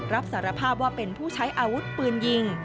รับสารภาพว่าเป็นผู้ใช้อาวุธปืนยิง